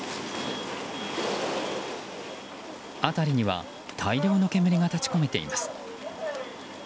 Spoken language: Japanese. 辺りには大量の煙が立ち込めています。